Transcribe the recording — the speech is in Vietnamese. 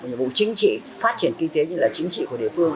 nhiệm vụ chính trị phát triển kinh tế như là chính trị của địa phương